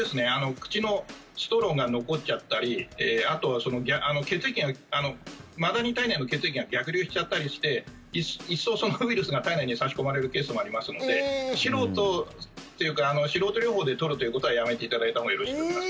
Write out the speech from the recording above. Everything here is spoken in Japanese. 口のストローが残っちゃったりあと、血液がマダニの体内の血液が逆流しちゃったりして一層、そのウイルスが体内に刺し込まれるケースもありますので素人というか素人療法で取るということはやめていただいたほうがよろしいと思います。